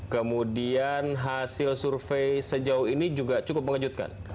kemudian hasil survei sejauh ini juga cukup mengejutkan